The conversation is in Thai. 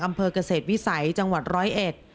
อำเภอกเกษตรวิสัยจังหวัดร้อยเอ็ด